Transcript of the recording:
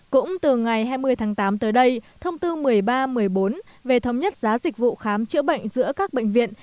cũng từ ngày hai mươi tháng tám tới đây thông tư một mươi ba một mươi bốn về thống nhất giá dịch vụ khám chữa bệnh giữa các bệnh viện